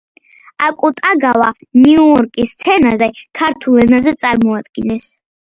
აკუტაგავა ნიუ იორკის სცენაზე ქართულ ენაზე წარადგინეს.